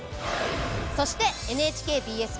そしてＮＨＫＢＳ